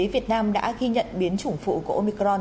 việt nam đã ghi nhận biến chủng phụ của omicron